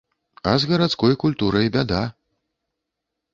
А з гарадской культурай бяда.